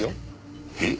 えっ？